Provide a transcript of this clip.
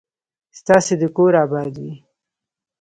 ستاسو دي کور اباد وي